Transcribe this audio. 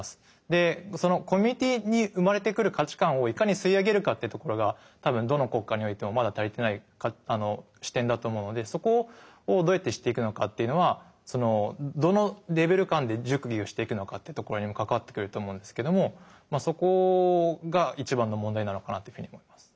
でそのコミュニティーに生まれてくる価値観をいかに吸い上げるかってところが多分どの国家においてもまだ足りてない視点だと思うのでそこをどうやってしていくのかっていうのはそのどのレベル間で熟議をしていくのかってところにも関わってくると思うんですけどもそこが一番の問題なのかなっていうふうに思います。